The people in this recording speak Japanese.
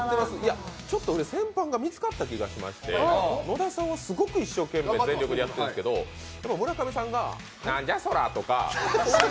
ちょっと戦犯が見つかった気がしまして野田さんはすごく一生懸命、全力でやってるんですけど、村上さんがなんじゃそりゃとか。